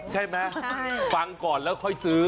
ใช่ไหมฟังก่อนแล้วค่อยซื้อ